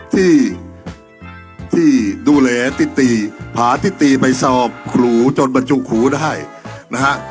ที่ที่ดูแลติพาทิตีไปสอบครูจนบรรจุครูได้นะฮะ